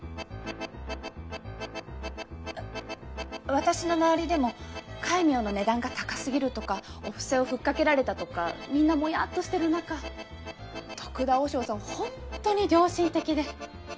私の周りでも戒名の値段が高過ぎるとかお布施を吹っ掛けられたとかみんなもやっとしてる中得田和尚さんはホントに良心的で。